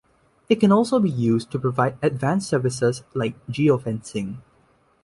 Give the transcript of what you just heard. It can also be used to provide advanced services like Geo-fencing.